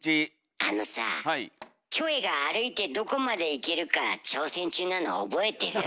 あのさあキョエが歩いてどこまで行けるか挑戦中なの覚えてる？